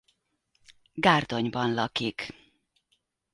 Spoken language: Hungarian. Gárdonyban lakik.